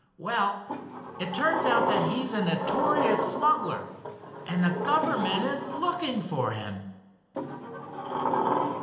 "Well, it turns out that he is a notorious smuggler and the government is looking for him."